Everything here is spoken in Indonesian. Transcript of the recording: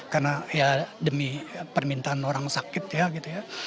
karena ya demi permintaan orang sakit ya gitu ya